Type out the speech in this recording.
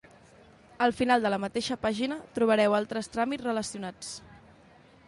Al final de la mateixa pàgina trobareu altres tràmits relacionats.